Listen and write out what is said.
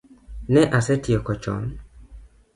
Ne a setieko chon